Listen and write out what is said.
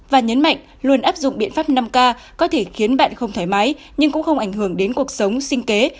và nhấn mạnh luôn áp dụng biện pháp năm k có thể khiến bạn không thoải mái nhưng cũng không ảnh hưởng đến cuộc sống sinh kế